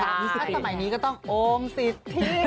ถ้าสมัยนี้ก็ต้องโอมสิทธิ